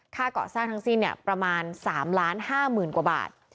ค่าก่อสร้างทั้งสิ้นเนี่ยประมาณ๓ล้าน๕หมื่นกว่าบาท